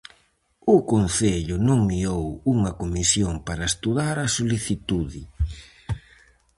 O concello nomeou unha comisión para estudar a solicitude.